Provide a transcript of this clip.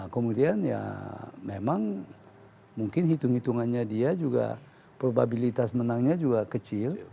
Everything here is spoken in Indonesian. kemudian ya memang mungkin hitung hitungannya dia juga probabilitas menangnya juga kecil